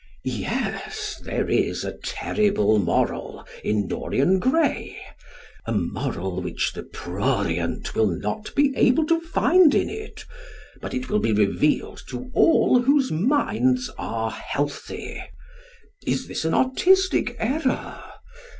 Yes, there is a terrible moral in "Dorian Gray" a moral which the prurient will not be able to find in it, but it will be revealed to all whose minds are healthy. Is this an artistic error?